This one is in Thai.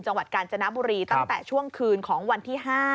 จังหวัดกาญจนบุรีตั้งแต่ช่วงคืนของวันที่๕